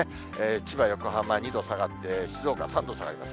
千葉、横浜２度下がって、静岡３度下がります。